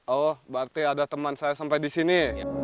oh berarti ada teman saya sampai di sini